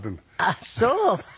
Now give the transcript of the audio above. あっそう！